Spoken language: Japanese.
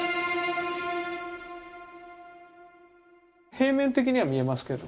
平面的には見えますけど。